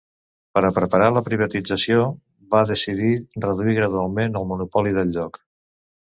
Per a preparar la privatització, va decidir reduir gradualment el monopoli del lloc.